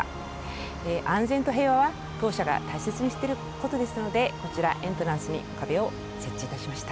安全と平和は当社が大切にしていることですのでこちらエントランスに壁を設置いたしました。